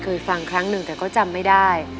เคยฟังครั้งหนึ่งแต่ก็จำไม่ได้